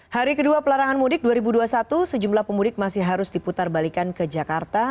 hari kedua pelarangan mudik dua ribu dua puluh satu sejumlah pemudik masih harus diputar balikan ke jakarta